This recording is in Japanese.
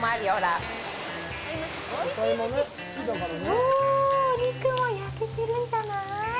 おぉ、肉も焼けてるんじゃない？